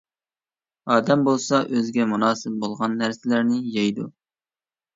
ئادەم بولسا ئۆزىگە مۇناسىپ بولغان نەرسىلەرنى يەيدۇ.